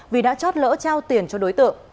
vì đã chót lỡ trao tiền cho đối tượng